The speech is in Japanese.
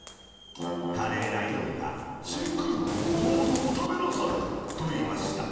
カレーライオンが「しんくん、どうぞおたべなさい。」と、いいました。